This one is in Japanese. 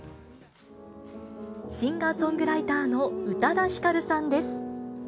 シンガーソングライターの宇多田ヒカルさんです。